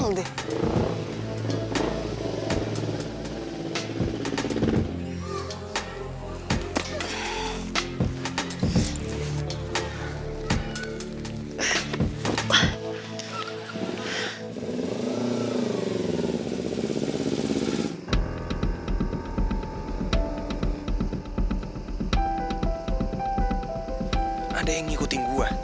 tidak ada yang mengikuti gue